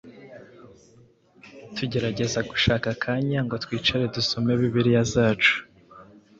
Tugerageza gushaka akanya ngo twicare dusome Bibiliya zacu,